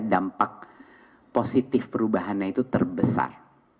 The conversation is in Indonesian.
dampak positif perubahannya itu terbesar